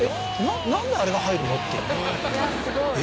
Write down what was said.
何であれが入るの？っていうえ？